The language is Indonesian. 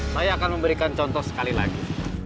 saya akan memberikan contoh sekali lagi